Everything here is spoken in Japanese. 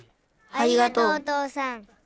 ありがとうお父さん。